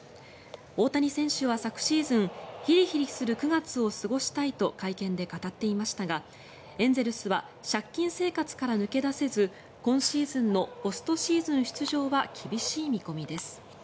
大谷選手は昨シーズンヒリヒリする９月を過ごしたいと会見で語っていましたがエンゼルスは借金生活から抜け出せず今シーズンのポストシーズン出場は厳しい見込みです。